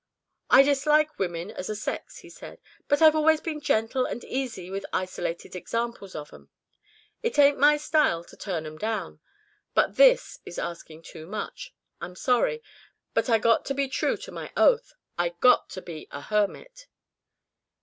"I dislike women as a sex," he said, "but I've always been gentle and easy with isolated examples of 'em. It ain't my style to turn 'em down. But this is asking too much. I'm sorry. But I got to be true to my oath I got to be a hermit."